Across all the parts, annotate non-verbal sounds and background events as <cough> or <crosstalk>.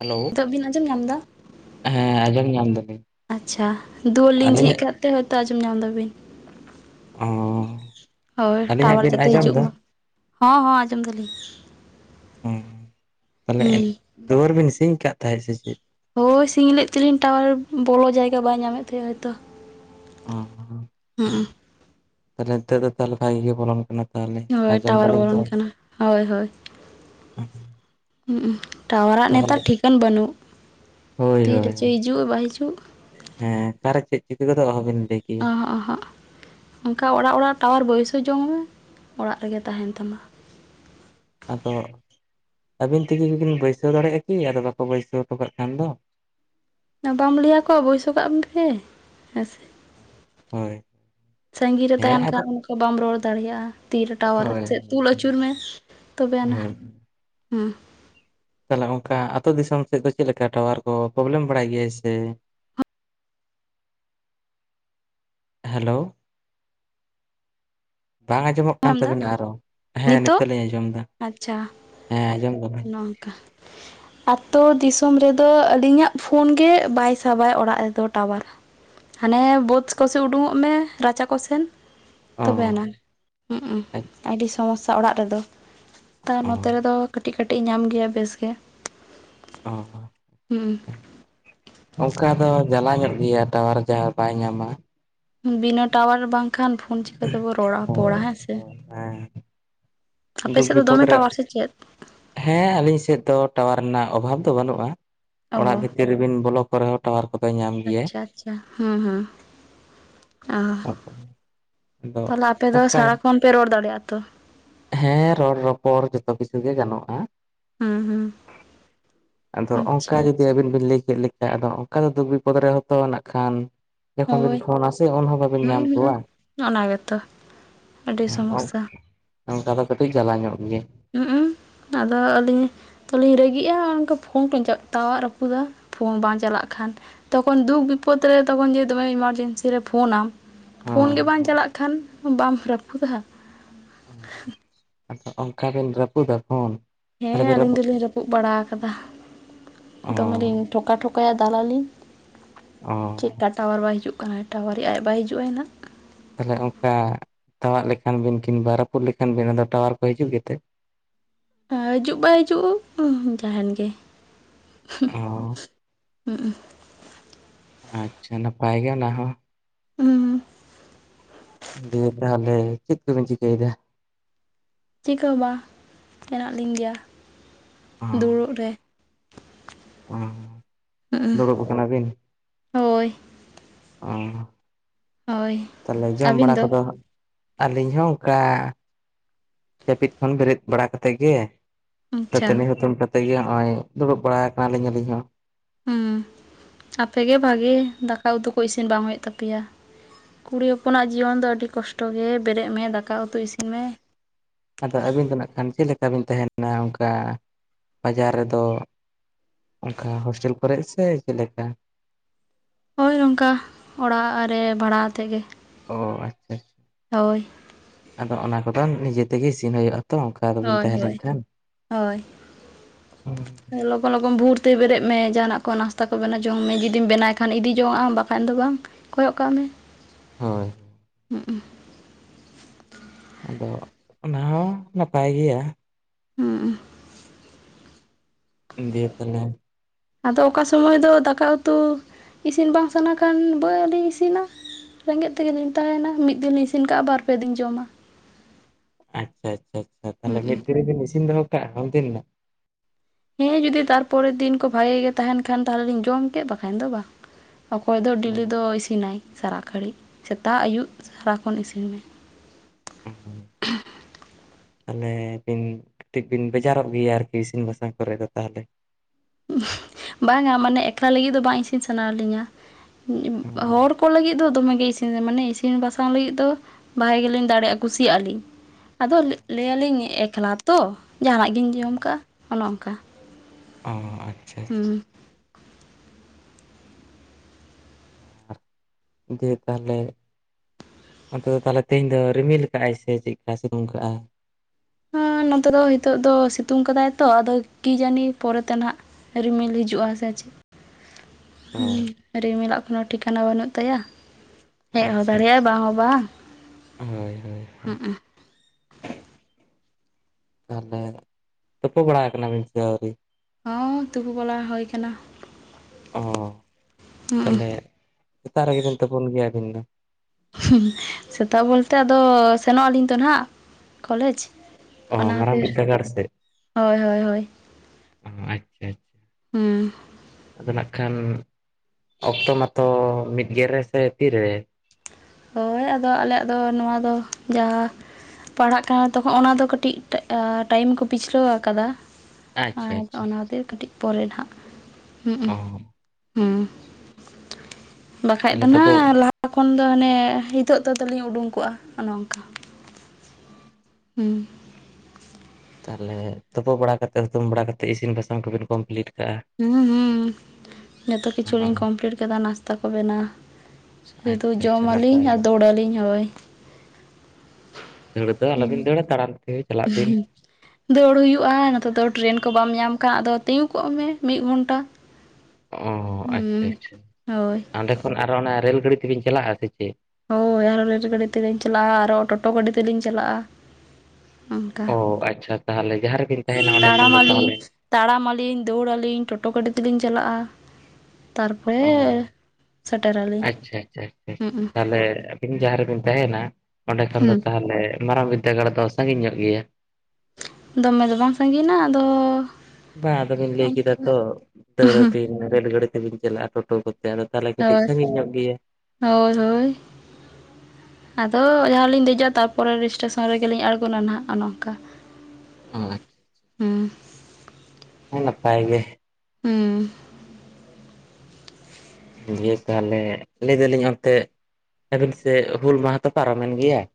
Hello. ᱦᱤᱸᱛᱳᱜ ᱵᱤᱱ ᱟᱸᱡᱚᱢ ᱧᱟᱢ ᱫᱟ? ᱦᱮᱸ ᱟᱸᱡᱚᱢ ᱧᱟᱢ ᱫᱟᱹᱞᱤᱧ᱾ ᱟᱪᱪᱷᱟ, ᱫᱩᱣᱟᱹᱨ ᱞᱤᱧ ᱡᱷᱤᱡ ᱠᱟᱜ ᱛᱮ ᱦᱚᱭᱛᱳ ᱟᱸᱡᱚᱢ ᱧᱟᱢ ᱫᱟᱵᱤᱱ ᱾ ᱚᱸᱻ᱾ ᱦᱳᱭ ᱴᱟᱣᱟᱨ ᱡᱟᱛᱮ ᱦᱤᱡᱩᱜ ᱢᱟ ᱾ ᱦᱚᱸ ᱦᱚᱸ ᱟᱸᱡᱚᱢ ᱫᱟᱹᱞᱤᱧ ᱾ ᱦᱮᱸ, ᱛᱟᱦᱚᱞᱮ ᱮᱱ ᱦᱩᱸ ᱫᱩᱣᱟᱹᱨ ᱵᱤᱱ ᱥᱤᱧ ᱠᱟᱫ ᱛᱟᱦᱮᱸᱫ ᱥᱮ ᱪᱮᱫ? ᱦᱳᱭ ᱥᱤᱧ ᱞᱮᱫ ᱛᱮᱞᱤᱧ ᱴᱟᱣᱟᱨ ᱵᱚᱞᱚ ᱡᱟᱭᱜᱟ ᱵᱟᱭ ᱧᱟᱢ ᱮᱫ ᱛᱟᱦᱮᱸᱡ ᱦᱳᱭ ᱛᱚ ᱾ ᱚ ᱦᱩᱸ ᱦᱚᱸᱜ ᱚ ᱛᱟᱦᱞᱮ ᱱᱤᱛᱚᱜ ᱫᱚ ᱛᱟᱦᱚᱞᱮ ᱵᱷᱟᱹᱜᱤ ᱜᱮ ᱵᱚᱞᱚᱱ ᱠᱟᱱᱟ᱾ ᱛᱟᱦᱚᱞᱮ ᱦᱳᱭ ᱟᱸᱡᱚᱢ ᱴᱟᱣᱟᱨ ᱫᱟᱞᱤᱧ ᱛᱚ ᱵᱚᱞᱚᱱ ᱠᱟᱱᱟ, ᱦᱳᱭ ᱦᱳᱭ᱾ ᱦᱩᱸᱜ-ᱩ ᱴᱟᱣᱟᱨᱟᱜ ᱱᱮᱛᱟᱨ ᱛᱟᱦᱚᱞᱮ ᱴᱷᱤᱠᱟᱹᱱ ᱵᱟᱹᱱᱩᱜ ᱦᱳᱭ ᱦᱳᱭ ᱛᱤᱨᱮᱪᱚᱭ ᱦᱤᱡᱩᱜ, ᱵᱟᱭ ᱦᱤᱡᱩᱜ᱾ ᱦᱮᱸ ᱚᱠᱟᱨᱮ ᱪᱮᱫ ᱪᱤᱠᱟᱹ ᱜᱚᱫᱚᱜ-ᱟ, ᱚᱦᱚᱵᱤᱱ ᱞᱟᱹᱭ ᱠᱮᱭᱟ ᱚᱸ ᱦᱚᱜ-ᱚᱸ ᱦᱚᱜ ᱚᱱᱠᱟ ᱚᱲᱟᱜ ᱚᱲᱟᱜ ᱴᱟᱣᱟᱨ ᱵᱟᱹᱭᱥᱟᱹᱣ ᱡᱚᱝ ᱢᱮ, ᱚᱲᱟᱜ ᱨᱮᱜᱮ ᱛᱟᱦᱮᱸᱱ ᱛᱟᱢᱟ᱾ ᱟᱫᱚ, ᱟᱹᱵᱤᱱ ᱛᱮᱜᱮ ᱜᱤᱵᱤᱱ ᱵᱟᱹᱭᱥᱟᱹᱣ ᱫᱟᱲᱮᱭᱟᱜᱼᱟ ᱠᱤ? ᱟᱫᱚ ᱵᱟᱠᱚ ᱵᱟᱹᱭᱥᱟᱹᱣ ᱦᱚᱴᱚ ᱠᱟᱜ ᱠᱷᱟᱱ ᱫᱚ᱾ ᱮᱱᱟ, ᱵᱟᱢ ᱞᱟᱹᱭᱟ ᱠᱚᱣᱟ ᱵᱟᱹᱭᱥᱟ ᱠᱟᱜ ᱯᱮ ᱦᱮᱸ ᱥᱮ᱾ ᱦᱳᱭ ᱥᱟᱺᱜᱤᱧ ᱨᱮ ᱦᱮᱸ ᱛᱟᱦᱮᱸᱱ ᱟᱫᱚ ᱠᱷᱟᱱ ᱚᱱᱠᱟ ᱵᱟᱢ ᱨᱚᱲ ᱫᱟᱲᱮᱭᱟᱜᱼᱟ᱾ ᱛᱤ ᱨᱮ ᱴᱟᱣᱟᱨ ᱦᱳᱭ ᱥᱮᱫ ᱛᱩᱞ ᱟᱹᱪᱩᱨ ᱢᱮ ᱛᱚᱵᱮ ᱟᱱᱟ ᱦᱳᱭ ᱦᱩᱸ᱾ ᱛᱟᱦᱚᱞᱮ ᱚᱱᱠᱟ ᱟᱹᱛᱩ ᱫᱤᱥᱚᱢ ᱥᱮᱫ ᱫᱚ ᱪᱮᱫ ᱞᱮᱠᱟ ᱴᱟᱣᱟᱨ ᱠᱚ ᱯᱨᱚᱵᱞᱮᱢ ᱵᱟᱲᱟᱭ ᱜᱮᱭᱟᱭ ᱥᱮ? ᱟ <inaudible> ᱦᱮᱞᱳ ᱵᱟᱝ ᱟᱸᱡᱚᱢᱚᱜ ᱠᱟᱱ ᱧᱟᱢᱫᱟ ᱛᱟᱵᱤᱱᱟ ᱟᱨᱚ, ᱦᱮᱸ ᱱᱤᱛᱚᱜ ᱞᱤᱧ ᱟᱸᱡᱚᱢ ᱮᱫᱟ, ᱦᱮᱸ ᱟᱸᱡᱚᱢᱚᱜ ᱠᱟᱱᱟ᱾ ᱠᱟ <unintelligible> ᱟᱹᱛᱳ ᱫᱤᱥᱚᱢ ᱨᱮᱫᱚ ᱟᱹᱞᱤᱧᱟᱜ ᱯᱷᱳᱱ ᱜᱮ ᱵᱟᱭ ᱥᱟᱵᱟ ᱚᱲᱟᱜ ᱨᱮᱫᱚ ᱴᱟᱣᱟᱨ᱾ ᱦᱟᱱᱮ ᱵᱟᱹᱫᱽ ᱠᱚᱥᱮᱜ ᱩᱰᱩᱠᱚᱜ ᱢᱮ ᱨᱟᱪᱟ ᱠᱚᱥᱮᱱ ᱚ ᱛᱚᱵᱮ ᱟᱱᱟ᱾ ᱦᱩᱸᱜ-ᱩᱸ ᱟᱪᱪᱷᱟ ᱟᱹᱰᱤ ᱥᱚᱢᱚᱥᱥᱟ ᱚᱲᱟᱜ ᱨᱮᱫᱚ᱾ ᱛᱟᱣ ᱚ ᱱᱚᱛᱮ ᱨᱮᱫᱚ ᱠᱟᱹᱴᱤᱡ ᱠᱟᱹᱴᱤᱡ ᱧᱟᱢ ᱜᱮᱭᱟ ᱵᱮᱥ ᱜᱮᱸ, ᱚ ᱦᱩᱸ᱾ ᱚᱱᱠᱟ ᱫᱚ ᱡᱟᱞᱟ ᱧᱚᱜ ᱜᱮᱭᱟ ᱴᱟᱣᱟᱨ ᱡᱟᱦᱟᱸ ᱵᱟᱭ ᱧᱟᱢᱟ᱾ ᱵᱤᱱᱟᱹ ᱴᱟᱣᱟᱨ ᱵᱟᱝᱠᱷᱟᱱ ᱯᱷᱳᱱ ᱪᱤᱠᱟᱹ ᱛᱮᱵᱚ ᱨᱚᱲᱟ ᱯᱚᱲᱟ ᱦᱮᱸ ᱥᱮ? ᱦᱮᱸ ᱟᱯᱮ ᱫᱩᱠ ᱥᱮᱫ ᱫᱚ ᱵᱤᱯᱚᱫ ᱫᱚᱢᱮ ᱨᱮ ᱴᱟᱣᱟᱨ ᱥᱮ ᱪᱮᱫ? ᱦᱮᱸ ᱟᱹᱞᱤᱧ ᱥᱮᱫ ᱫᱚ ᱴᱟᱣᱟᱨ ᱨᱮᱱᱟᱜ ᱚᱵᱷᱟᱵ ᱫᱚ ᱵᱟᱹᱱᱩᱜᱼᱟ᱾ ᱚ ᱚᱲᱟᱜ ᱵᱷᱤᱛᱤᱨ ᱨᱮᱵᱤᱱ ᱵᱚᱞᱚ ᱠᱚᱜ ᱨᱮᱦᱚᱸ ᱴᱟᱣᱟᱨ ᱠᱚᱫᱚᱭ ᱧᱟᱢ ᱜᱮ᱾ ᱟᱪᱪᱷᱟ ᱟᱪᱪᱷᱟ ᱦᱩᱸ ᱦᱩᱸ ᱚ <unintelligible> ᱛᱟᱦᱞᱮ ᱟᱯᱮ ᱫᱚ ᱥᱟᱨᱟᱠᱷᱚᱱ ᱯᱮ ᱨᱚᱲ ᱫᱟᱲᱮᱭᱟᱜᱼᱟ ᱛᱚ? ᱦᱮᱸ ᱨᱚᱲ ᱨᱚᱯᱚᱲ ᱡᱚᱛᱚ ᱠᱤᱪᱷᱩ ᱜᱮ ᱜᱟᱱᱚᱜᱼᱟ᱾ ᱦᱩᱸ ᱦᱩᱸ ᱟᱫᱚ ᱟᱪᱪᱷᱟ ᱚᱱᱠᱟ ᱡᱩᱫᱤ ᱟᱹᱵᱤᱱ ᱵᱤᱱ ᱞᱟᱹᱭ ᱠᱮᱫ ᱞᱮᱠᱟ ᱟᱫᱚ ᱚᱱᱠᱟ ᱫᱚ ᱫᱩᱠ ᱵᱤᱯᱚᱫᱽ ᱨᱮ ᱦᱚᱛᱚᱣᱟᱱᱟᱜ ᱠᱷᱟᱱ ᱡᱚᱠᱷᱚᱱ ᱵᱤᱱ ᱦᱳᱭ ᱯᱷᱳᱱ ᱟᱥᱮ ᱩᱱᱦᱚ ᱵᱟᱹᱵᱤᱱ ᱦᱩᱸᱜ ᱧᱟᱢ ᱩᱸ ᱦᱩᱸᱜ ᱠᱚᱣᱟ᱾ ᱩᱸ ᱚᱱᱟ ᱜᱮᱛᱚ ᱟᱹᱰᱤ ᱥᱚᱢᱚᱥᱥᱟ, ᱚᱱᱠᱟ ᱫᱚ ᱠᱟᱹᱴᱤᱡ ᱡᱟᱞᱟ ᱧᱚᱜ ᱜᱮᱭᱟ᱾ ᱦᱩᱸᱜ ᱩᱸ ᱟᱫᱚ ᱟᱹᱞᱤᱧ ᱛᱚᱞᱤᱧ ᱨᱟᱹᱜᱤᱜᱼᱟ, ᱚᱱᱠᱟ ᱯᱷᱳᱱ ᱠᱚᱧ ᱛᱟᱣᱟᱜ ᱨᱟᱹᱯᱩᱫᱟ ᱯᱷᱳᱱ ᱵᱟᱝ ᱪᱟᱞᱟᱜ ᱠᱷᱟᱱ᱾ ᱛᱚᱠᱷᱚᱱ ᱫᱩᱠ ᱵᱤᱯᱚᱫᱽ ᱨᱮ ᱛᱚᱠᱷᱚᱱ ᱡᱮ ᱫᱚᱢᱮ ᱮᱢᱟᱨᱡᱮᱱᱥᱤ ᱨᱮ ᱯᱷᱳᱱᱟᱢ ᱯᱷᱳᱱ ᱜᱮ ᱦᱮᱸ ᱵᱟᱝ ᱪᱟᱞᱟᱜ ᱠᱷᱟᱱ ᱵᱟᱢ ᱨᱟᱹᱯᱩᱫᱟ᱾ ᱟᱫᱚ ᱚᱱᱠᱟ ᱵᱮᱱ ᱨᱟᱹᱯᱩᱫᱟ ᱯᱷᱳᱱ᱾ ᱛᱟᱦᱚᱞᱮ ᱦᱮᱸ ᱵᱤᱱ ᱟᱞᱤᱧ ᱫᱚᱞᱤᱧ ᱨᱟᱹᱯᱩᱫ ᱯᱩᱫ ᱵᱟᱲᱟ ᱠᱟᱫᱟ ᱚ ᱫᱚᱢᱮᱞᱤᱧ ᱴᱷᱚᱠᱟ ᱴᱷᱚᱠᱟᱭᱟ ᱫᱟᱞᱟᱞᱤᱧ ᱚ ᱪᱮᱫᱠᱟ ᱴᱟᱣᱟᱨ ᱵᱟᱭ ᱦᱤᱡᱩᱜ ᱠᱟᱱᱟ, ᱴᱟᱣᱟᱨ-ᱤᱡ ᱟᱡ ᱵᱟᱭ ᱦᱤᱡᱩᱜ ᱟᱭ ᱱᱟᱦᱟᱜ᱾ ᱛᱟᱦᱚᱞᱮ ᱚᱱᱠᱟ ᱛᱟᱣᱟᱜ ᱞᱮᱠᱷᱟᱱ ᱵᱤᱱ ᱠᱤᱝᱵᱟ ᱨᱟᱹᱯᱩᱫ ᱞᱮᱠᱷᱟᱱ ᱵᱤᱱ ᱟᱫᱚ ᱴᱟᱣᱟᱨ ᱠᱚ ᱦᱤᱡᱩᱜ ᱜᱮᱛᱮ? ᱦᱟᱡᱩᱜ ᱵᱟᱭ ᱦᱟᱡᱩᱜ ᱩᱸ ᱡᱟᱦᱟᱸᱱ ᱜᱮ, ᱦ ᱚ <unintelligible> ᱟᱪᱪᱷᱟ ᱱᱟᱯᱟᱭ ᱜᱮ ᱚᱱᱟ ᱦᱚᱸ, ᱦᱩᱸ ᱫᱤᱭᱮ ᱛᱟᱦᱚᱞᱮ ᱪᱮᱫ ᱠᱚᱵᱮᱱ ᱪᱤᱠᱟᱹᱭ ᱮᱫᱟ? ᱪᱤᱠᱟᱹ ᱵᱟᱝ ᱢᱮᱱᱟᱜ ᱞᱤᱧ ᱜᱮᱭᱟ ᱚ ᱫᱩᱲᱩᱵ ᱨᱮ᱾ ᱚ ᱦᱩᱸᱜ ᱩᱸ ᱫᱩᱲᱩᱵ ᱠᱟᱱᱟ ᱵᱤᱱ? ᱦᱳᱭ ᱚ ᱦᱳᱭ ᱛᱟᱦᱚᱞᱮ ᱡᱚᱢ ᱟᱹᱵᱤᱱ ᱵᱟᱲᱟ ᱫᱚ ᱠᱚᱫᱚ? ᱟᱹᱞᱤᱧ ᱦᱚᱸᱻ ᱚᱱᱠᱟ ᱡᱟᱹᱯᱤᱫ ᱠᱷᱚᱱ ᱵᱮᱨᱮᱫ ᱵᱟᱲᱟ ᱠᱟᱛᱮᱫ ᱜᱮ, ᱟᱪᱪᱷᱟ ᱫᱟᱹᱛᱟᱹᱱᱤ ᱦᱩᱛᱩᱢ ᱠᱟᱛᱮᱜ ᱜᱮ ᱱᱚᱜᱼᱚᱭ, ᱫᱩᱲᱩᱵ ᱵᱟᱲᱟ ᱟᱠᱟᱱᱟᱞᱤᱧ ᱟᱹᱞᱤᱧ ᱦᱚᱸᱻ ᱦᱩᱸᱻ ᱟᱯᱮ ᱜᱮ ᱵᱷᱟᱜᱤ ᱫᱟᱠᱟ ᱩᱛᱩ ᱠᱚ ᱤᱥᱤᱱ ᱵᱟᱝ ᱦᱩᱭᱩᱜ ᱛᱟᱯᱮᱭᱟ ᱾ ᱠᱩᱲᱤ ᱦᱚᱯᱚᱱᱟᱼᱜ ᱡᱤᱭᱚᱱ ᱫᱚ ᱟᱹᱰᱤ ᱠᱚᱥᱴᱚ ᱜᱮ, ᱵᱮᱨᱮᱫ ᱢᱮ ᱫᱟᱠᱟ ᱩᱛᱩ ᱤᱥᱤᱱ ᱢᱮ ᱾ ᱟᱫᱚ ᱟᱹᱵᱤᱱ ᱫᱚ ᱱᱟᱸᱜ ᱠᱷᱟᱱ ᱪᱮᱫ ᱞᱮᱠᱟ ᱵᱤᱱ ᱛᱟᱦᱮ ᱱᱟ ᱚᱱᱠᱟ ᱵᱟᱡᱟᱨ ᱨᱮᱫᱚ? ᱚᱱᱠᱟ ᱦᱳᱥᱴᱮᱞ ᱠᱚᱨᱮ ᱥᱮ ᱪᱮᱫᱠᱟ? ᱦᱳᱭ, ᱚᱝᱠᱟ ᱚᱲᱟᱜ ᱨᱮ ᱵᱷᱟᱲᱟ ᱟᱛᱮᱫ ᱜᱮ᱿ ᱚᱸᱻ ᱟᱪᱪᱷᱟ ᱻ ᱟᱪᱪᱷᱟ ᱦᱳᱭ ᱟᱫᱚ ᱚᱱᱟ ᱠᱚᱼᱫᱚ ᱱᱤᱡᱮ ᱛᱮᱜᱮ ᱤᱥᱤᱱ ᱦᱩᱭᱩᱜᱼᱟ᱾ ᱛᱚ ᱚᱱᱠᱟ ᱫᱚᱵᱤᱱ ᱦᱳᱭ ᱛᱟᱦᱮᱸ ᱦᱳᱭ ᱞᱮᱱᱠᱷᱟᱱ᱾ ᱦᱳᱭ ᱞᱚᱜᱚᱱ ᱼ ᱞᱚᱜᱚᱱ ᱵᱷᱳᱨ ᱛᱮ ᱵᱮᱨᱮᱫ ᱢᱮ ᱡᱟᱦᱟᱱᱟᱜ ᱠᱚ, ᱱᱟᱥᱛᱟ ᱠᱚ, ᱵᱮᱱᱟᱣ ᱡᱚᱝ ᱢᱮ ᱡᱩᱫᱤᱢ ᱵᱮᱱᱟᱣ ᱠᱷᱟᱱ ᱤᱫᱤ ᱡᱚᱝᱼᱟ᱾ ᱵᱟᱠᱷᱟᱱ ᱫᱚ ᱵᱟᱝᱼᱼᱼ ᱠᱚᱭᱚᱜ ᱠᱟᱜ ᱢᱮ? ᱦᱳᱭ᱾ ᱩᱸᱻ᱾ ᱟᱫᱚ ᱚᱱᱟ ᱦᱚᱸᱻ ᱱᱟᱯᱟᱭ ᱜᱮᱭᱟ᱾ ᱦᱩᱸ ᱻ ᱚᱩᱸ᱾ ᱫᱤᱭᱮ ᱛᱟᱦᱚᱞᱮ᱾ ᱟᱫᱚ ᱚᱠᱟ ᱥᱚᱢᱟᱹᱭ ᱫᱚ ᱫᱟᱠᱟ, ᱩᱛᱩ, ᱤᱥᱤᱱ ᱵᱟᱝ ᱥᱟᱱᱟ ᱠᱟᱱ᱾ ᱵᱟᱹᱞᱤᱧ ᱤᱥᱤᱱᱟ᱾ ᱨᱮᱸᱜᱮᱡ ᱛᱮᱜᱮ ᱞᱤᱧ ᱛᱟᱸᱦᱮᱱᱟ᱾ ᱢᱤᱫ ᱫᱤᱱ ᱞᱤᱧ ᱤᱥᱤᱱ ᱠᱟᱜ-ᱟ᱾ ᱵᱟᱨ ᱯᱮ ᱫᱤᱱ ᱡᱚᱢᱟ᱾ ᱟᱪᱪᱷᱟ ᱻ ᱟᱪᱷᱟ ᱻ ᱪᱷᱟ ᱻ ᱦᱩᱸ ᱛᱟᱦᱚᱞᱮ ᱢᱤᱫ ᱫᱤᱱ ᱨᱤᱵᱤᱱ ᱤᱥᱤᱱ ᱫᱚᱦᱚ ᱠᱟᱜ-ᱟ᱾ ᱦᱟᱢ ᱫᱤᱱ ᱨᱮᱱᱟᱜ? ᱦᱮᱸᱻ ᱡᱩᱫᱤ ᱛᱟᱨᱯᱚᱨᱮ ᱫᱤᱱ ᱠᱚ ᱵᱷᱟᱜᱮ ᱜᱮ ᱛᱟᱦᱮᱱ ᱠᱷᱟᱱ ᱛᱟᱦᱚᱞᱮ ᱞᱤᱧ ᱡᱚᱢ ᱠᱮᱜ ᱵᱟᱠᱷᱟᱱ ᱫᱚ ᱵᱟᱝ᱾ ᱚᱠᱚᱭ ᱫᱚ ᱰᱤᱞᱤ ᱫᱚ ᱤᱥᱤᱱᱟᱭ ᱥᱟᱨᱟ ᱜᱷᱟᱹᱲᱤᱡ ᱥᱮᱛᱟᱜ, ᱟᱹᱭᱩᱵ, ᱥᱟᱨᱟ ᱠᱷᱚᱱ ᱤᱥᱤᱱ ᱢᱮ᱾ ᱩᱸᱻ ᱛᱟᱦᱚᱞᱮ ᱵᱤᱱ ᱠᱟᱹᱴᱤᱡ ᱵᱤᱱ ᱵᱮᱡᱟᱨᱚᱜ ᱜᱮᱭᱟ, ᱟᱨᱠᱤ ᱤᱥᱤᱱ ᱵᱟᱥᱟᱝ ᱠᱚᱨᱮ ᱫᱚ ᱛᱟᱦᱚᱞᱮ? ᱩᱸᱦ ᱵᱟᱝᱟ ᱢᱟᱱᱮ ᱮᱠᱞᱟ ᱞᱟᱹᱜᱤᱫ ᱫᱚ ᱵᱟᱝ ᱤᱥᱤᱱ ᱥᱟᱱᱟ ᱞᱤᱧᱟ ᱩᱸᱻᱧ ᱦᱚᱲ ᱠᱚ ᱞᱟᱹᱜᱤᱫᱼᱼ ᱫᱚ ᱫᱚᱢᱮ ᱜᱮ ᱤᱥᱤᱱ ᱮ ᱢᱟᱱᱮ ᱤᱥᱤᱱ ᱵᱟᱥᱟᱝ ᱞᱟᱹᱜᱤᱫ ᱫᱚ ᱵᱷᱟᱜᱮ ᱞᱤᱧ ᱫᱟᱲᱮᱭᱟᱜ-ᱟ ᱾ ᱠᱩᱥᱤᱭᱟᱜ-ᱟ ᱞᱤᱧ᱾ ᱟᱫᱚ ᱞᱟᱹᱜ ᱞᱟᱹᱭᱟ ᱞᱤᱧ ᱮᱠᱷᱞᱟ ᱛᱚ ᱡᱟᱦᱟᱸ ᱱᱟᱜ ᱜᱤᱧ ᱡᱚᱢ ᱠᱟᱜ-ᱟ ᱾ᱚᱱᱮ ᱚᱝᱠᱟ᱾ ᱚᱸᱻ ᱟᱪᱪᱷᱟ᱾ ᱩᱸ᱾ ᱟᱪᱪᱷᱟ ᱟᱨ ᱫᱤᱭᱮ ᱛᱟᱦᱚᱞᱮᱼᱼᱼ ᱚᱱᱛᱮ ᱫᱚ ᱛᱟᱦᱚᱞᱮ ᱛᱮᱦᱮᱧ ᱫᱚ ᱨᱤᱢᱤᱞ ᱠᱟᱜ-ᱟᱭ, ᱥᱮ ᱪᱮᱜ ᱠᱟ ᱥᱤ ᱱᱚᱝᱠᱟᱜᱼᱟ? ᱚᱸᱻ ᱱᱚᱛᱮ ᱫᱚ ᱦᱤᱸᱛᱚᱜ ᱫᱚ ᱥᱤᱛᱩᱝ ᱠᱟᱫᱟᱭ ᱛᱚ ᱟᱫᱚ ᱠᱤ ᱡᱟᱹᱱᱤ ᱯᱚᱨᱮ ᱛᱮ ᱱᱟᱦᱟᱸᱼᱜᱼᱼ ᱨᱤᱢᱤᱞ ᱦᱤᱡᱩᱜ-ᱟ, ᱥᱮ ᱪᱮᱜ? ᱚ ᱦᱩᱸᱻ ᱨᱤᱢᱤᱞᱟᱼᱜ ᱠᱚᱱᱚ ᱴᱷᱤᱠᱟᱹᱱ ᱵᱟᱹᱱᱩᱼᱜ ᱟᱱᱭᱟ ᱾ ᱦᱮᱡ ᱦᱚᱸ ᱟᱪᱪᱷᱟ ᱫᱟᱲᱮᱭᱟᱜ-ᱟ᱾ ᱟᱪᱪᱷᱟ ᱵᱟᱝ ᱦᱚᱸ ᱵᱟᱝ, ᱦᱳᱭ ᱦᱳᱭ ᱦᱩᱸᱜ- ᱩᱸᱼᱼᱼ ᱛᱟᱦᱚᱞᱮ ᱛᱩᱯᱩ ᱵᱟᱲᱟᱣ ᱠᱟᱱᱟ ᱵᱤᱱ ᱥᱮ ᱟᱹᱣᱨᱤᱭᱟ? ᱦᱚᱸᱻ ᱛᱩᱯᱩ ᱵᱟᱞᱟ ᱦᱩᱭ ᱠᱟᱱᱟ᱾ ᱚᱸᱻ ᱦᱩᱸ ᱛᱟᱦᱚᱞᱮ ᱥᱮᱛᱟᱼᱜ ᱨᱮᱼᱜᱮ ᱵᱮᱱ ᱛᱩᱯᱩᱱ ᱜᱮᱭᱟ, ᱟᱹᱵᱤᱱ ᱫᱚ? ᱦᱩᱸᱻ ᱥᱮᱛᱟᱜ ᱵᱚᱞᱛᱮ ᱟᱫᱚ ᱥᱮᱱᱚᱜ ᱟᱹᱞᱤᱧ ᱛᱚ ᱱᱟᱦᱟᱸᱜ ᱠᱚᱞᱮᱪ ᱾ ᱚ ᱚᱱᱟ ᱢᱟᱨᱟᱝ ᱠᱷᱟᱹᱛᱤᱨ, ᱵᱤᱫᱽᱫᱟᱹᱜᱟᱲ ᱥᱮᱫ ᱦᱚᱭ ᱻ ᱦᱚᱭ ᱻ ᱦᱚᱭ᱾ ᱚ ᱟᱪᱪᱷᱟ ᱟᱪᱪᱷᱟ ᱦᱩᱸᱻ ᱾ ᱟᱫᱚ ᱱᱟᱜ ᱠᱷᱟᱱ, ᱚᱠᱛᱚ ᱢᱟᱛᱚ ᱢᱤᱫ ᱜᱮᱞ ᱨᱮᱥ ᱛᱤᱨ ᱨᱮ? ᱦᱚᱭ ᱟᱫᱚ, ᱟᱞᱮᱭᱟᱜ ᱫᱚ, ᱱᱚᱣᱟ ᱫᱚ, ᱡᱟᱦᱟᱸᱼᱼ ᱯᱟᱲᱦᱟᱜ ᱠᱟᱱᱟ ᱛᱚ ᱦᱚᱸᱻ ᱚᱱᱟ ᱫᱚ ᱠᱟᱹᱴᱤᱡ ᱴᱟᱭ ᱟᱻ ᱴᱟᱭᱤᱢ ᱠᱚ ᱯᱤᱪᱷᱞᱟᱹᱼᱣ ᱟᱠᱟᱫᱟ᱾ ᱟᱪᱪᱷᱟ ᱟᱨ ᱟᱪᱪᱷᱟ ‌ᱚᱱᱟᱛᱮ ᱠᱟᱹᱴᱤᱡ ᱯᱚᱨᱮ ᱱᱟᱦᱟᱸᱜ ᱦᱩᱸᱻ ᱩᱸ᱾ ᱚ ᱦᱩᱸᱻ ᱵᱟᱠᱷᱟᱡ ᱫᱚ ᱛᱟᱦᱚᱞᱮ ᱛᱳᱯᱳ ᱱᱟᱦᱟᱸᱼᱜ ᱞᱟᱦᱟ ᱠᱷᱚᱱ ᱫᱚ ᱦᱟᱱᱮᱼᱼ ᱮᱻ ᱦᱤᱸᱛᱚᱜ ᱫᱚ ᱛᱚᱞᱤᱧ ᱩᱰᱩᱝᱠ ᱠᱚᱜ-ᱟ, ᱚᱱᱳ ᱚᱸᱝ ᱱᱠᱟ᱾ ᱦᱩᱸᱻ ᱾ ᱛᱟᱦᱚᱞᱮ ᱛᱩᱯᱳ ᱵᱟᱲᱟ ᱠᱟᱛᱮ, ᱦᱩᱛᱩᱢ ᱵᱟᱲᱟ ᱠᱟᱛᱮᱜ, ᱤᱥᱤᱱ, ᱵᱟᱥᱟ ᱠᱚᱵᱤᱱ ᱠᱚᱢᱯᱤᱞᱤᱴ ᱠᱟᱜ-ᱟ? ᱦᱩᱸᱻ ᱦᱩᱸᱻ ᱡᱚᱛᱚ ᱠᱤᱪᱷᱩ ᱞᱤᱧ ᱠᱚᱢᱯᱤᱞᱤᱴ ᱠᱟᱫᱟ' ᱱᱟᱥᱛᱟ ᱠᱚ ᱵᱮᱱᱟᱣᱼᱼ ᱥᱩᱫᱩ ᱟᱪᱪᱷᱟ ᱟᱪᱪᱷᱟ ᱡᱚᱢᱟ ᱱᱟᱯᱟᱭ ᱞᱤᱧ' ᱜᱮ ᱟᱨ ᱫᱳᱲᱟ ᱞᱤᱧ' ᱦᱚᱭ᱾ ᱫᱟᱹᱲ ᱫᱚ ᱟᱞᱚ ᱵᱤᱱ ᱫᱟᱹᱲᱟ ᱛᱟᱲᱟᱢ ᱛᱮᱜᱮ ᱪᱟᱞᱟᱜ ᱵᱤᱱ᱾ ᱫᱟᱹᱲ ᱦᱩᱭᱩᱜ-ᱟ ᱱᱚᱛᱮ ᱫᱚ ᱴᱨᱮᱱ ᱠᱚ ᱵᱟᱢ ᱧᱟᱢ ᱠᱷᱟᱱ ᱟᱫᱚ ᱛᱤᱸᱜᱩ ᱠᱚᱜ ᱢᱮ ᱢᱤᱫ ᱜᱷᱚᱱᱴᱟ ᱾ ᱚᱸ ᱟᱪᱪᱷᱟ ᱟᱪᱷᱟ, ᱦᱳᱭ ᱚᱸᱰᱮ ᱠᱷᱚᱱ ᱟᱨᱚ ᱚᱱᱟ ᱨᱮᱞ ᱜᱟᱹᱲᱤ ᱛᱤᱜᱤᱧ ᱪᱟᱞᱟᱜ-ᱟ ᱥᱮ ᱪᱮᱜ? ᱦᱚᱭ ᱟᱨ ᱦᱚᱸ ᱨᱮᱞ ᱜᱟᱹᱰᱤ ᱛᱮᱞᱤᱧ ᱪᱟᱞᱟᱜ-ᱟ ᱟᱨᱚ ᱴᱚᱴᱚ ᱜᱟᱹᱰᱤ ᱛᱮᱞᱤᱧ ᱪᱟᱞᱟᱜ-ᱟ᱾ ᱚᱻ ᱟᱪᱪᱷᱟ ᱛᱟᱦᱚᱞᱮ ᱡᱟᱦᱟᱸ ᱨᱮᱵᱤᱱ ᱛᱟᱦᱮᱱᱟ <inaudible> ᱼᱼ ᱛᱟᱲᱟᱢ ᱟᱞᱤᱧ ᱛᱟᱲᱟᱢ ᱟᱞᱤᱧ, ᱫᱳᱲᱟ ᱟᱞᱤᱧ, ᱴᱚᱴᱚ ᱜᱟᱹᱰᱤ ᱛᱮᱞᱤᱧ ᱪᱟᱞᱟᱜ-ᱟ᱾ ᱛᱟᱨ ᱚ ᱯᱚᱨᱮ ᱥᱮᱴᱮᱨ ᱟᱞᱤᱧ, ᱦᱩᱸᱜ-ᱩᱸ᱾ ᱨᱮ ᱟᱹᱵᱤᱱ ᱡᱟᱦᱟᱸ ᱨᱤᱵᱤᱱ ᱛᱟᱦᱮᱱᱟ ᱚᱸᱰᱮ ᱠᱷᱚᱱ ᱫᱚ ᱦᱩᱸ ᱛᱟᱦᱚᱞᱮ ᱢᱟᱨᱟᱝ ᱵᱤᱫᱽᱫᱟᱜᱟᱲ ᱫᱚ ᱥᱟᱺᱜᱤᱧ ᱧᱚᱜ ᱜᱮᱭᱟ? ᱫᱚᱢᱮ ᱫᱚ ᱵᱟᱝ ᱥᱟᱺᱜᱤᱱᱟ ᱟᱫᱚ ᱼᱼ ᱵᱟ ᱟᱫᱚ ᱵᱤᱱ ᱞᱟᱹᱭ ᱠᱮᱫᱟ ᱛᱚ ᱫᱟᱹᱲ ᱟᱵᱤᱱ, ᱨᱮᱞ ᱜᱟᱹᱲᱤ ᱛᱮᱵᱤᱱ ᱪᱟᱞᱟᱜ-ᱟ, ᱴᱚᱴᱚ ᱠᱚᱛᱼᱼ ᱟᱫᱚ ᱛᱟᱦᱚᱞᱮ ᱠᱟᱹᱴᱤᱡ ᱦᱳᱭ ᱥᱟᱺᱜᱤᱧ ᱧᱚᱜ ᱜᱮᱭᱟ ᱾ ᱦᱳᱭ ᱦᱳᱭ ᱾ ᱟᱫᱚ ᱡᱟᱦᱟᱸᱞᱤᱧ ᱫᱮᱡᱚᱜᱼᱟ ᱛᱟᱨᱯᱚᱨᱮᱮ ᱮᱤᱥᱴᱮᱥᱚᱱ ᱨᱮᱜᱮᱞᱤᱧ ᱟᱬᱜᱚᱱᱟ ᱱᱟᱦᱟᱜ ᱚᱱᱮ ᱚᱱᱠᱟ ᱾ <unintelligible> <unintelligible> ᱦᱩᱸ ᱾ ᱦᱮᱸ ᱱᱟᱯᱟᱭ ᱜᱮ ᱾ ᱦᱩᱸ ᱾ ᱫᱤᱭᱮ ᱛᱟᱦᱚᱞᱮ ᱞᱟᱹᱭ ᱫᱟᱞᱤᱧ ᱚᱱᱛᱮ ᱟᱵᱮᱱ ᱥᱮᱜ, ᱦᱩᱞ ᱢᱟᱦᱟ ᱛᱚ ᱯᱟᱨᱚᱢᱮᱱ ᱜᱮᱭᱟ ᱾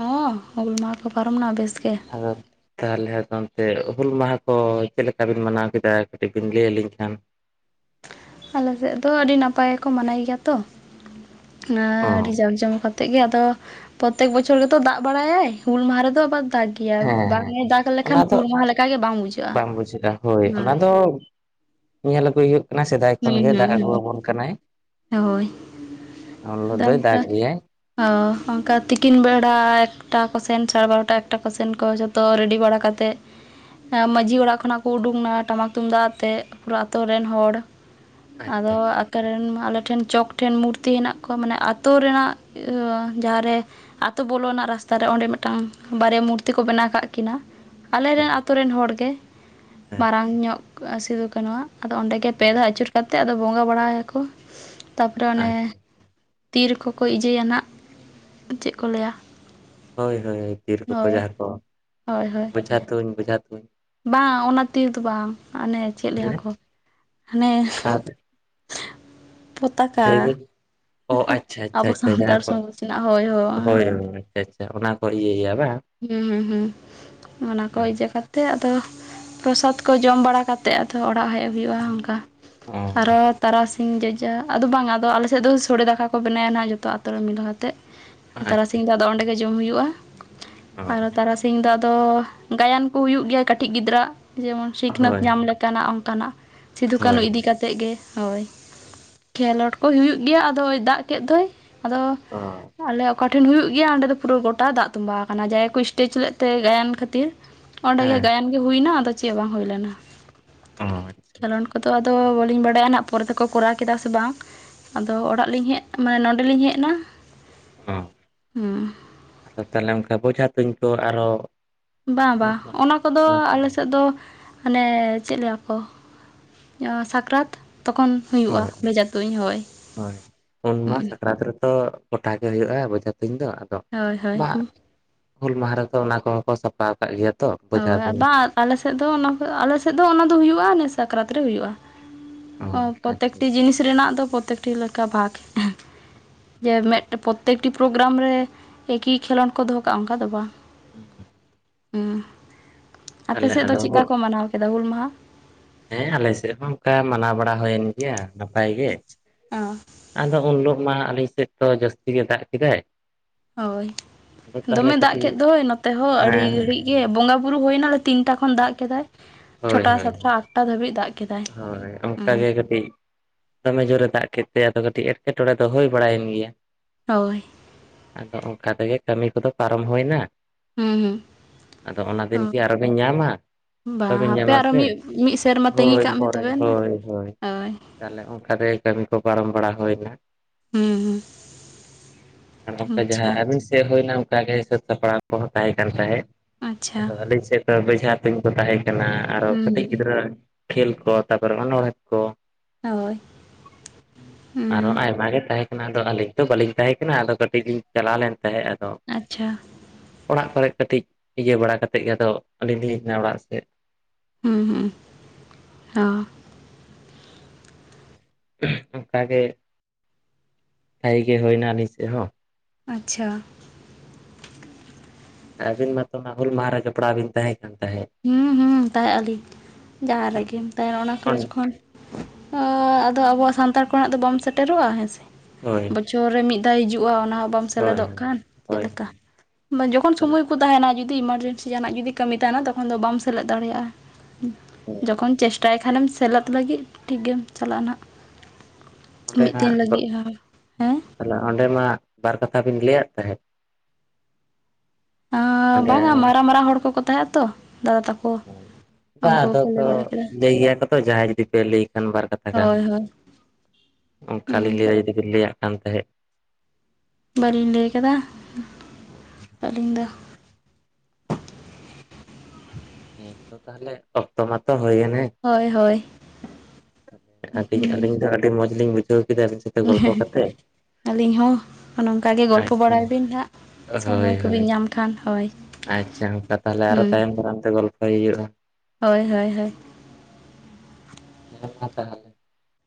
ᱦᱚᱸ ᱦᱩᱞ ᱢᱟᱦᱟ ᱠᱚ ᱯᱟᱨᱚᱢ ᱱᱟ ᱵᱮᱥ ᱜᱮ ᱾ ᱟᱫᱚ ᱛᱟᱦᱚᱞᱮ ᱟᱫᱚ ᱚᱱᱛᱮ ᱦᱩᱞ ᱢᱟᱦᱟ ᱠᱚ ᱪᱮᱫ ᱞᱮᱠᱟ ᱵᱤᱱ ᱢᱟᱱᱟᱣ ᱠᱮᱫᱟ ᱠᱟᱹᱴᱤᱡ ᱵᱤᱱ ᱞᱟᱹᱭ ᱟᱹᱞᱤᱧ ᱠᱷᱟᱱ? ᱟᱞᱮᱥᱮᱫ ᱫᱚ ᱟᱹᱰᱤ ᱱᱟᱯᱟᱭ ᱜᱮᱠᱚ ᱢᱟᱱᱟᱭ ᱜᱮᱭᱟ ᱛᱚ, ᱚ ᱟᱨ ᱟᱹᱰᱤ ᱡᱟᱠ ᱡᱚᱢᱚᱠ ᱟ ᱟᱛᱮ ᱜᱮ, ᱟᱫᱚ ᱯᱨᱚᱛᱮᱠ ᱵᱚᱪᱷᱚᱨ ᱜᱮᱛᱚ ᱫᱟᱜ ᱵᱟᱲᱟᱭᱟᱭ ᱦᱩᱞ ᱢᱟᱦᱟ ᱨᱮᱫᱚ ᱟᱵᱟᱨ ᱫᱟᱜ ᱦᱮᱸ <unintelligible> ᱵᱟᱝ ᱦᱮᱸ ᱮ ᱫᱟᱜ ᱞᱮᱠᱷᱟᱱ ᱚᱱᱟ ᱫᱚ ᱦᱩᱞ ᱢᱟᱦᱟ ᱞᱮ ᱞᱮᱠᱟ ᱜᱮ ᱵᱟᱝ ᱵᱩᱡᱷᱟᱹᱜᱼᱟ, ᱵᱟᱝ ᱵᱩᱡᱷᱟᱹᱜᱼᱟ ᱚᱱᱟ ᱦᱳᱭ ᱫᱚ ᱾ ᱧᱮᱞ ᱟᱹᱜᱩᱭ ᱦᱩᱭᱩᱜ ᱠᱟᱱᱟ ᱥᱮᱫᱟᱭ ᱠᱷᱚᱱ ᱦᱩᱸ ᱜᱮ ᱦᱩᱸ ᱫᱟᱜ ᱦᱩᱸ ᱟᱹᱜᱩᱣᱟᱵᱚᱱ ᱠᱟᱱᱟᱭ ᱾ ᱦᱳᱭ ᱩᱱ ᱦᱤᱞᱚᱜ ᱟᱫᱚ ᱫᱚᱭ ᱚᱱᱠᱟ ᱫᱟᱜ ᱜᱮᱭᱟᱭ ᱾ ᱚ ᱚᱱᱠᱟ ᱛᱤᱠᱤᱱ ᱵᱮᱲᱟ ᱮᱠᱴᱟ ᱠᱚ ᱥᱮᱱ ᱥᱟᱲᱮ ᱵᱟᱨᱚᱴᱟ ᱮᱠᱴᱟ ᱠᱚ ᱥᱮᱱ ᱠᱚ ᱡᱚ ᱛᱚ ᱨᱮᱰᱤ ᱵᱟᱲᱟ ᱠᱟᱛᱮᱫ ᱦᱮ ᱢᱟᱹᱡᱷᱤ ᱚᱲᱟᱜ ᱠᱷᱚᱱᱟᱜ ᱠᱚ ᱩᱰᱩᱝ ᱱᱟ ᱴᱟᱢᱟᱠ ᱛᱩᱢᱫᱟᱜ ᱟᱛᱮᱜ ᱯᱩᱨᱟ ᱟᱛᱩᱨ ᱨᱮᱱ ᱦᱚᱲ ᱾ ᱟᱪᱪᱷᱟ ᱟᱫᱚ ᱟᱪᱪᱷᱟ ᱟᱠᱮ ᱟᱪᱪᱷᱟ ᱨᱮᱱ ᱟᱞᱮ ᱴᱷᱮᱱ ᱪᱚᱠ ᱴᱷᱮᱱ ᱢᱩᱨᱛᱤ ᱦᱮᱱᱟᱜ ᱠᱚᱣᱟ, ᱢᱟᱱᱮ ᱟᱛᱳ <unintelligible> ᱨᱮᱱᱟᱜ ᱡᱟᱦᱟᱸ ᱨᱮ ᱟᱛᱳ ᱵᱚᱞᱚᱱᱟᱜ ᱨᱟᱥᱛᱟ ᱨᱮ ᱚᱸᱰᱮ ᱢᱤᱫᱴᱟᱱ ᱵᱟᱨᱭᱟ ᱢᱩᱨᱛᱤ ᱠᱚ ᱵᱮᱱᱟᱣ ᱠᱟᱜ ᱠᱤᱱᱟ ᱾ ᱟᱞᱮᱨᱮᱱ ᱟᱛᱩ ᱨᱮᱱ ᱦᱚᱲ ᱜᱮ ᱦᱮᱸ ᱢᱟᱨᱟᱝ ᱧᱚᱜ ᱥᱤᱫᱩ ᱠᱟᱱᱩ ᱣᱟᱜ ᱟᱫᱚ ᱚᱸᱰᱮ ᱜᱮ ᱯᱮ ᱫᱷᱟᱣ ᱟᱹᱪᱩᱨ ᱠᱟᱛᱮᱫ ᱟᱫᱚ ᱵᱚᱸᱜᱟ ᱵᱟᱲᱟᱭᱟᱠᱚ ᱛᱟᱯᱚᱨᱮ ᱚᱱᱮ ᱟᱪᱪᱷᱟ ᱛᱤᱨ ᱠᱚᱠᱚ ᱤᱡᱤᱭᱟᱭᱟ ᱱᱟᱜ, ᱪᱮᱫ ᱠᱚ ᱞᱟᱹᱭᱟ? ᱦᱳᱭ ᱦᱳᱭ ᱛᱤᱨ ᱠᱚᱠᱚ ᱦᱳᱭ ᱡᱟᱦᱟ ᱠᱚ ᱦᱳᱭ ᱦᱳᱭ ᱵᱟᱡᱷᱟ ᱛᱩᱧ ᱵᱮᱡᱷᱟ ᱛᱩᱧ ᱵᱟᱝ ᱚᱱᱟ ᱛᱤᱨ ᱫᱚ ᱵᱟᱝ, ᱦᱟᱱᱮ ᱪᱮᱫ ᱞᱟᱹᱭᱟ ᱛᱟᱦᱚᱞᱮ ᱠᱚ ᱦᱟᱱᱮ ᱟᱨ ᱯᱚᱛᱟᱠᱟ ᱞᱟᱹᱭ ᱾ ᱵᱤᱱ ᱚ ᱟᱪᱷᱟ ᱟᱪᱷᱟ ᱟᱪᱷᱟ ᱡᱟᱦᱟᱸ ᱠᱚ ᱥᱚᱢᱟᱡᱽ ᱨᱮᱱᱟᱜ ᱦᱳᱭ ᱦᱳᱭ ᱦᱳᱭ ᱟᱪᱷᱟ ᱟᱪᱷᱟ ᱚᱱᱟ ᱠᱚ ᱤᱭᱟᱹᱭᱟ ᱵᱟᱝ? ᱦᱩᱸ ᱦᱩᱸ ᱦᱩᱸ ᱚᱱᱟᱠᱚ ᱤᱭᱟᱹ ᱠᱟᱛᱮᱜ ᱟᱫᱚ, ᱯᱨᱚᱥᱟᱫ ᱠᱚ ᱡᱚᱢ ᱵᱟᱲᱟ ᱠᱟ ᱛᱮᱜ ᱟᱫᱚ ᱚᱲᱟᱜ ᱦᱮᱡ ᱦᱩᱭᱩᱜᱼᱟ, ᱚᱱᱠᱟ ᱚ ᱟᱨᱚ ᱛᱟᱨᱟᱥᱤ ᱥᱤᱧ ᱡᱚᱡᱟ ᱟᱫᱚ ᱵᱟᱝ ᱟᱫᱚ ᱟᱞᱮ ᱥᱮᱫ ᱫᱚ ᱥᱚᱲᱮ ᱫᱟᱠᱟ ᱠᱚ ᱵᱮᱱᱟᱭᱟ ᱱᱟᱦᱟᱜ ᱡᱚᱛᱚ ᱟᱛᱳ ᱨᱮ ᱢᱤᱞᱟᱹᱦᱟᱛᱮᱫ ᱾ ᱟᱪᱪᱷᱟ ᱛᱟᱨᱟᱥᱤᱧ ᱫᱚ ᱟᱫᱚ ᱚᱸᱰᱮ ᱜᱮ ᱡᱚᱢ ᱦᱩᱭᱩᱜᱼᱟ ᱟᱨᱚ ᱚ ᱛᱟᱨᱟ ᱛᱮᱦᱮᱧ ᱫᱚ ᱟᱫᱚ ᱜᱟᱭᱟᱱ ᱠᱚ ᱦᱩᱭᱩᱜ ᱜᱮᱭᱟ ᱠᱟᱹᱴᱤᱡ ᱜᱤᱫᱽᱨᱟᱹ ᱡᱮᱢᱚᱱ ᱥᱤᱠᱷᱱᱟᱹᱛ ᱦᱳᱭ ᱧᱟᱢ ᱞᱮᱠ ᱠᱟᱱᱟᱜ ᱚᱱᱠᱟᱱᱟᱜ ᱥᱤᱫᱷᱩ ᱠᱟᱹᱱᱦᱩ ᱦᱳᱭ ᱤᱫᱤ ᱠᱟᱛᱮᱫ ᱜᱮ ᱦᱳᱭ, ᱠᱷᱮᱞᱳᱰ ᱠᱚ ᱦᱩᱭᱩᱜ ᱜᱮᱭᱟ, ᱟᱫ ᱟᱫᱚᱭ ᱫᱟᱜ ᱠᱮᱫ ᱫᱚᱭ ᱟᱫᱚ ᱚ ᱟᱞᱮ ᱚᱠᱟ ᱴᱷᱮᱱ ᱦᱩᱭᱩᱜ ᱜᱮᱭᱟ ᱚᱸᱰᱮ ᱫᱚ ᱯᱩᱨᱟᱹ ᱜᱚᱴᱟ ᱫᱟᱜ ᱛᱚᱵᱟᱣ ᱟᱠᱟᱱᱟ ᱡᱟᱦᱟᱸᱭ ᱠᱚ ᱥᱴᱮᱡ ᱞᱮᱫ ᱛᱮ ᱜᱟᱭᱟᱱ ᱠᱷᱟᱹᱛᱤᱨ ᱾ ᱚᱸᱰᱮ ᱜᱮ ᱦᱮᱸ ᱜᱟᱭᱟᱱ ᱜᱮ ᱦᱩᱭᱱᱟ ᱟᱫᱚ ᱪᱮᱫ ᱵᱟᱝ ᱦᱩᱭ ᱞᱮᱱᱟ᱾ ᱚ, ᱟᱪᱪᱷᱟ ᱟᱪᱪᱷᱟ᱾ ᱚᱱᱠᱟ ᱟᱫᱚ ᱵᱟᱞᱤᱧ ᱵᱟᱰᱟᱭᱟ ᱦᱟᱱᱟᱜ ᱯᱚᱨᱮ ᱛᱮᱠᱚ ᱠᱚᱨᱟᱣ ᱠᱮᱫᱟ ᱥᱮ ᱵᱟᱝ? ᱟᱫᱚ ᱚᱲᱟᱜ ᱞᱤᱧ ᱦᱮᱜ ᱢᱟᱱᱮ ᱱᱚᱰᱮᱞᱤᱧ ᱦᱮᱡ ᱮᱱᱟ ᱟᱪᱪᱷᱟ ᱚ ᱦᱩᱸ ᱟᱫᱚ ᱛᱟᱦᱞᱮ ᱚᱝᱠᱟ ᱵᱡᱷᱟ ᱛᱩᱧ ᱠᱚ ᱟᱨᱦᱚ ᱵᱟ ᱵᱟ ᱚᱱᱟ ᱠᱚᱫᱚ ᱟᱞᱮ ᱥᱮᱫ ᱫᱚ ᱢᱟᱱᱮ ᱪᱮᱫ ᱞᱟᱹᱭᱟ ᱠᱚ ᱥᱟᱠᱨᱟᱛ ᱛᱚᱠᱷᱚᱱ ᱦᱩᱭᱩᱜᱼᱟ ᱦᱳᱭ ᱵᱷᱮᱡᱟ ᱛᱩᱧ ᱦᱳᱭ, ᱦᱳᱭ ᱩᱱ ᱦᱩᱸ ᱢᱟ ᱥᱟᱠᱨᱟᱛ ᱨᱮᱛᱚ ᱜᱚᱴᱟ ᱜᱮ ᱦᱩᱭᱩᱜᱼᱟ ᱵᱚᱡᱷᱟ ᱛᱩᱧ ᱫᱚ ᱟᱫᱚ ᱦᱳᱭ ᱦᱳᱭ ᱵᱟ ᱦᱩᱞ ᱢᱟᱦᱟ ᱨᱮᱫᱚ ᱚᱱᱟ ᱠᱚᱦᱚᱸ ᱠᱚ ᱥᱟᱯᱷᱟ ᱠᱟᱫ ᱜᱮᱭᱟ᱾ ᱛᱚ ᱵᱚᱡᱷᱟ ᱦᱳᱭ, ᱟ ᱛᱩᱧ ᱵᱟ ᱟᱞᱮᱥᱮᱫ ᱫᱚ ᱚᱱᱟ ᱠᱚ ᱟᱞᱮᱥᱮᱫ ᱫᱚ ᱚᱱᱟ ᱫᱚ ᱦᱩᱭᱩᱜᱼᱟ ᱮ ᱥᱟᱠᱨᱟᱛ ᱨᱮ ᱦᱩᱭᱩᱜᱼᱟ᱾ ᱚ, ᱟᱪᱪᱷᱟ ᱟᱪᱪᱷᱟ, ᱯᱚᱛᱮᱠᱴᱤ ᱡᱤᱱᱤᱥ ᱨᱮᱱᱟᱜ ᱫᱚ ᱯᱚᱛᱮᱠᱴᱤ ᱞᱮᱠᱟ ᱵᱷᱟᱜᱽ᱾ ᱡᱮ ᱢᱮᱫ ᱯᱚᱛᱛᱮᱠᱴᱤ ᱯᱨᱳᱜᱨᱟᱢ ᱨᱮ ᱮᱠᱤ ᱠᱷᱮᱞᱳᱰ ᱠᱚ ᱫᱚᱦᱚ ᱠᱟᱜᱼᱟ ᱚᱝᱠᱟ ᱫᱚ ᱵᱟᱝ᱾ ᱦᱩᱸ᱾ ᱦᱩᱸ, ᱛᱟᱦᱚᱞᱮ ᱟᱯᱮᱥᱮᱫ ᱫᱚ ᱟᱫᱚ ᱪᱮᱫᱠᱟ ᱦᱳ- ᱠᱚ ᱢᱟᱱᱟᱣ ᱠᱮᱫᱟ ᱦᱩᱞ ᱢᱟᱦᱟ? ᱦᱮᱸ ᱟᱞᱮ ᱥᱮᱜ ᱦᱚᱸ ᱚᱝᱠᱟ ᱢᱟᱱᱟᱣ ᱵᱟᱲᱟ ᱦᱳᱭᱮᱱ ᱜᱮᱭᱟ ᱱᱟᱯᱟᱭ ᱜᱮ᱾ ᱟᱫᱚ ᱩᱱ ᱦᱤᱞᱳᱜ ᱢᱟ ᱟᱞᱤᱧ ᱥᱮᱫ ᱫᱚ ᱡᱟᱹᱥᱛᱤ ᱜᱮ ᱫᱟᱜ ᱠᱮᱫᱟᱭ᱾ ᱦᱳᱭ ᱟᱫᱚ ᱛᱟᱦᱚᱞᱮ ᱫᱚᱢᱮ ᱫᱟᱜ ᱠᱟᱹᱴᱤᱡ ᱠᱮᱫ ᱫᱚᱭ ᱱᱚᱛᱮ ᱦᱚᱸ ᱟᱹᱰᱤ ᱦᱮᱸ ᱜᱷᱟᱹᱲᱤᱡ ᱜᱮ ᱵᱚᱸᱜᱟ ᱵᱩᱨᱩ ᱦᱳᱭᱱᱟ ᱛᱤᱱᱴᱟ ᱠᱷᱚᱱ ᱫᱟᱜ ᱠᱮᱫᱟᱭ᱾ ᱦᱳᱭ ᱪᱷᱚᱴᱟ, ᱦᱳᱭ ᱥᱟᱛᱴᱟ, ᱟᱴᱴᱟ ᱫᱷᱟᱹᱵᱤᱡ ᱫᱟᱜ ᱠᱮᱫᱟᱭ᱾ ᱦᱳᱭ ᱚᱱᱠᱟ ᱦᱩᱸ ᱜᱮ ᱠᱟᱹᱴᱤᱡ ᱫᱚᱢᱮ ᱡᱳᱨᱮ ᱫᱟᱜ ᱠᱮᱫ ᱛᱮ ᱟᱫᱚ ᱠᱟᱹᱴᱤᱡ ᱮᱴᱠᱮᱴᱚᱬᱮ ᱫᱚ ᱦᱩᱭ ᱵᱟᱲᱟᱭᱮᱱ ᱜᱮᱭᱟ᱾ ᱦᱳᱭ᱾ ᱟᱫᱚ ᱚᱝᱠᱟ ᱛᱮᱜᱮ ᱠᱟᱹᱢᱤ ᱠᱚᱫᱚ ᱯᱟᱨᱚᱢ ᱦᱩᱭᱱᱟ᱾ ᱦᱩᱸ ᱟᱫᱚ ᱚᱱᱟ ᱫᱤᱱ ᱠᱤ ᱦᱩᱸ ᱟᱨᱚᱵᱤᱱ ᱧᱟᱢᱟ? ᱵᱟᱝ ᱵᱟᱵᱤᱱ ᱦᱟᱯᱮ ᱧᱟᱢᱟ ᱟᱨᱚ ᱥᱮ ᱢᱤᱫ ᱢᱤᱫ ᱥᱮᱨᱢᱟ ᱛᱟᱹᱜᱤ ᱦᱳᱭ ᱠᱟᱜ ᱢᱮ ᱯᱚᱨᱮ ᱛᱚᱵᱮ ᱱᱟ ᱦᱳᱭ ᱦᱳᱭ᱾ ᱛᱟᱦᱞᱮ ᱚᱝᱠᱟ ᱛᱮᱜᱮ ᱠᱟᱹᱢᱤ ᱠᱚ ᱯᱟᱨᱚᱢ ᱵᱟᱲᱟ ᱦᱳᱭᱱᱟ᱾ ᱦᱩᱸ ᱟᱫᱚ ᱯᱮ ᱦᱩᱸ ᱡᱟᱦᱟᱸ ᱟᱪᱪᱷᱟ ᱟᱹᱵᱤᱱ ᱥᱮᱫ ᱦᱳᱭᱱᱟ ᱚᱝᱠᱟ ᱜᱮ ᱦᱤᱸᱥᱟᱹᱵᱽ ᱥᱟᱯᱲᱟᱣ ᱠᱚᱦᱚᱸ ᱛᱟᱦᱮᱸ ᱠᱟᱱ ᱛᱟᱦᱮᱸ ᱟᱪᱪᱷᱟ ᱟᱫᱚ ᱟᱹᱞᱤᱧ ᱥᱮᱫ ᱫᱚ ᱵᱡᱷᱟ ᱛᱩᱧ ᱠᱚ ᱛᱟᱦᱮᱸ ᱠᱟᱱᱟ᱾ ᱟᱨᱚ ᱦᱩᱸ ᱠᱟᱹᱴᱤᱡ ᱦᱩᱸ ᱜᱤᱫᱽᱨᱟᱹ ᱟᱜ ᱠᱷᱮᱹᱞ ᱠᱚ ᱛᱟᱨᱯᱚᱨᱮ ᱚᱱᱚᱬᱦᱮᱸ ᱠᱚ ᱦᱳᱭ᱾ ᱟᱨᱦᱚᱸ ᱦᱩᱸ ᱟᱭᱢᱟ ᱜᱮ ᱛᱟᱦᱮᱸ ᱠᱟᱱᱟ ᱟᱫᱚ ᱟᱹᱞᱤᱧ ᱛᱚ ᱵᱟᱹᱞᱤᱧ ᱛᱟᱦᱮᱸ ᱠᱟᱱᱟ ᱟᱫᱚ ᱠᱟᱹᱴᱤᱡ ᱞᱤᱧ ᱪᱟᱞᱟᱣ ᱞᱮᱱ ᱛᱟᱦᱮᱸᱜ᱾ ᱟᱫᱚ ᱟᱪᱪᱷᱟ᱾ ᱚᱲᱟᱜ ᱠᱚᱨᱮ ᱠᱟᱹᱴᱤᱡ ᱤᱭᱟᱹ ᱵᱟᱲᱟ ᱠᱟᱛᱮᱫ ᱜᱮ ᱟᱫᱚ ᱟᱹᱞᱤᱧ ᱞᱤᱧ ᱦᱮᱡᱱᱟ ᱚᱲᱟᱜ ᱥᱮᱫ᱾ ᱦᱩᱸ ᱦᱚᱸ᱾ ᱚᱝᱠᱟᱜᱮ ᱵᱷᱟᱜᱮ ᱜᱮ ᱦᱳᱭᱱᱟ ᱟᱹᱞᱤᱧ ᱥᱮᱜ ᱦᱚᱸ᱾ ᱟᱪᱪᱷᱟ᱾ ᱟᱹᱵᱤᱱ ᱢᱟᱛᱚ ᱚᱱᱟ ᱦᱩᱞ ᱢᱟᱦᱟᱨ ᱨᱮ ᱡᱚᱯᱲᱟᱣ ᱵᱤᱱ ᱛᱟᱦᱮᱸ ᱠᱟᱱ ᱛᱟᱦᱮᱸᱫ᱾ ᱦᱩᱸ ᱦᱩᱸ ᱛᱟᱦᱮᱸ ᱟᱹᱞᱤᱧ ᱡᱟᱦᱟᱸ ᱨᱮᱜᱮᱢ ᱛᱟᱦᱮᱱᱟ ᱚᱱᱟ ᱠᱚᱞᱮᱡᱽ ᱠᱷᱚᱱ᱾ ᱚ, ᱟᱫᱚ ᱟᱵᱚᱣᱟᱜ ᱥᱟᱱᱛᱟᱲ ᱠᱚ ᱨᱮᱱᱟᱜ ᱫᱚ ᱵᱟᱢ ᱥᱮᱴᱮᱨᱚᱜᱼᱟ ᱦᱮᱸ ᱥᱮ᱾ ᱦᱳᱭ᱾ ᱵᱚᱪᱷᱚᱨ ᱨᱮ ᱢᱤᱫ ᱫᱷᱟᱣ ᱦᱤᱡᱩᱜᱼᱟ ᱚᱱᱟ ᱦᱚᱸ ᱵᱟᱢ ᱦᱳᱭ ᱥᱮᱞᱮᱫᱚᱜ ᱠᱷᱟᱱ ᱪᱮᱫ ᱦᱳᱭ ᱞᱮᱠᱟ᱾ ᱵᱟ, ᱡᱚᱠᱷᱚᱱ ᱥᱚᱢᱚᱭ ᱠᱚ ᱛᱟᱦᱮᱱᱟ ᱡᱩᱫᱤ ᱮᱢᱟᱨᱡᱮᱱᱥᱤ ᱡᱟᱦᱟᱱᱟᱜ ᱡᱩᱫᱤ ᱠᱟᱹᱢᱤ ᱛᱟᱦᱮᱱᱟ ᱛᱚᱠᱷᱚᱱ ᱫᱚ ᱵᱟᱢ ᱥᱮᱞᱮᱫ ᱫᱟᱲᱮᱭᱟᱜᱼᱟ᱾ ᱦᱩᱸ, ᱡᱚᱠᱷᱚᱱ ᱪᱮᱥᱴᱟᱭ ᱠᱷᱟᱱᱮᱢ ᱥᱮᱞᱮᱫ ᱞᱟᱹᱜᱤᱫ ᱴᱷᱤᱠ ᱜᱮᱢ ᱪᱟᱞᱟᱜᱼᱟ ᱱᱟᱜ᱾ ᱚᱸᱰᱮ ᱢᱤᱫ ᱫᱤᱱ ᱦᱟᱸᱜ ᱞᱟᱹᱜᱤᱫ ᱦᱚᱸ, ᱦᱩᱸ᱾ ᱛᱟᱦᱞᱮ ᱚᱸᱰᱮ ᱢᱟ ᱵᱟᱨ ᱠᱟᱛᱷᱟ ᱵᱤᱱ ᱞᱟᱹᱭᱟᱫ ᱛᱟᱦᱮᱸᱫ᱾ ᱟᱸᱻ ᱚᱸᱰᱮ ᱵᱟᱝᱟ ᱢᱟᱨᱟᱝ ᱢᱟᱨᱟᱝ ᱦᱚᱲ ᱠᱚᱠᱚ ᱛᱟᱦᱮᱸᱜᱼᱟ ᱛᱚ ᱫᱟᱫᱟ ᱛᱟᱠᱚ᱾ ᱵᱟ, ᱩᱱᱠᱩ ᱟᱫᱚ ᱠᱚ ᱞᱟᱹᱭ ᱵᱟᱲᱟ ᱠᱮᱫᱟ ᱞᱟᱹᱭ ᱜᱮᱭᱟ ᱠᱚᱛᱚ ᱡᱟᱦᱟᱸᱭ ᱡᱩᱫᱤ ᱯᱮ ᱞᱟᱹᱭ ᱠᱷᱟᱱ ᱵᱟᱨ ᱠᱟᱛᱷᱟ ᱜᱟᱱ᱾ ᱦᱳᱭ ᱦᱳᱭ ᱚ, ᱠᱷᱟᱞᱤ ᱦᱩᱸ ᱞᱟᱹᱭ ᱜᱮᱵᱤᱱ ᱞᱟᱹᱭᱟᱜ ᱠᱟᱱ ᱛᱟᱦᱮᱸᱫ ᱵᱟᱞᱤᱧ ᱞᱟᱹᱭ ᱠᱟᱫᱟ ᱟᱹᱞᱤᱧ ᱫᱚ᱾ ᱦᱮᱸ ᱛᱚ ᱛᱟᱦᱞᱮ ᱚᱠᱛᱚ ᱢᱟᱛᱚ ᱦᱳᱭᱮᱱᱮ᱾ ᱦᱳᱭ ᱦᱳᱭ <unintelligible> ᱟᱹᱞᱤᱧ ᱫᱚ ᱟᱹᱰᱤ ᱢᱚᱡᱽ ᱞᱤᱧ ᱵᱩᱡᱷᱟᱹᱣ ᱠᱮᱫᱟ ᱾ ᱛᱚ ᱜᱚᱞᱯᱷᱚ ᱠᱟᱛᱮ ᱾ ᱟᱹᱞᱤᱧ ᱦᱚᱸ ᱱᱚᱝᱠᱟᱜ ᱜᱮ ᱜᱚᱞᱯᱚ ᱟᱪᱪᱷᱟ ᱵᱟᱲᱟᱭ ᱵᱤᱱ ᱦᱟᱸᱜ ᱦᱳᱭ ᱥᱚᱢᱚᱭ ᱠᱚᱵᱤᱱ ᱦᱳᱭ ᱧᱟᱢ ᱠᱷᱟᱱ ᱦᱳᱭ ᱾ ᱟᱪᱪᱷᱟ ᱚᱱᱠᱟ ᱛᱟᱦᱞᱮ ᱟᱨᱚ ᱛᱟᱭᱚᱢ ᱫᱟᱨᱟᱢ ᱛᱮ ᱜᱚᱞᱯᱷᱚᱭ ᱦᱩᱭᱩᱜᱼᱟ ᱾ ᱦᱳᱭ ᱦᱳᱭ ᱦᱳᱭ ᱾ ᱦᱮ ᱢᱟ ᱛᱟᱦᱚᱞᱮ ᱾